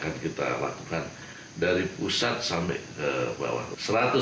untuk itu saya mengatakan bahwa saya akan membuat perubahan dari pusat ke bawah